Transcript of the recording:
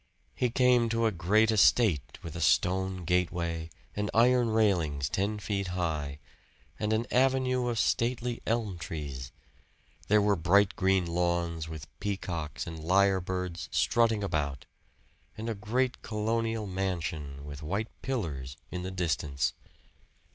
He came to a great estate with a stone gateway and iron railings ten feet high, and an avenue of stately elm trees; there were bright green lawns with peacocks and lyre birds strutting about, and a great colonial mansion with white pillars in the distance.